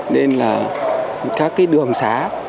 nên là các đường xá